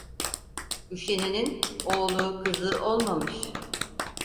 Üşenenin oğlu, kızı olmamış.